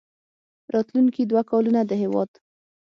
راتلونکي دوه کلونه د هېواد